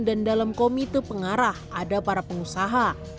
dan dalam komite pengarah ada para pengusaha